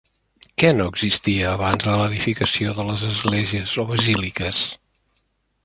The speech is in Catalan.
Què no existia abans de l'edificació de les esglésies o basíliques?